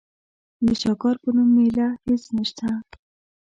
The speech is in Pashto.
د شاکار په نوم مېله هېڅ نشته.